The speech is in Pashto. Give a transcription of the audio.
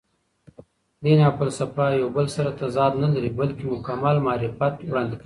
دین او فلسفه یو بل سره تضاد نه لري، بلکې مکمل معرفت وړاندې کوي.